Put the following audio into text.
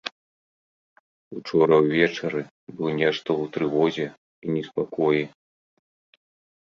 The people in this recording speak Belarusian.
Учора ўвечары быў нешта ў трывозе і неспакоі.